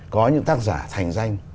có những tác giả thành danh